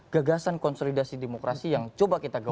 gagasan konsolidasi demokrasi yang coba kita gampang